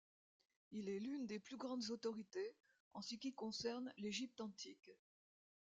Il est l'une des plus grandes autorités en ce qui concerne l'Égypte antique.